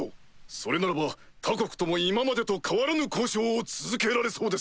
それならば他国とも今までと変わらぬ交渉を続けられそうです。